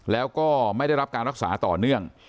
แล้วก็ไม่ได้รับการรักษาต่อเนื่อง